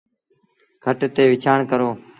کٽ تي وڇآݩ ڪرو۔